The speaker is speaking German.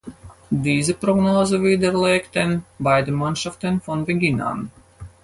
Diese Prognose widerlegten beide Mannschaften von Beginn an.